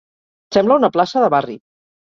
Sembla una plaça de barri.